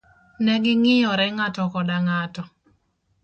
Negi ngiyore ng'ato koda ng' ato.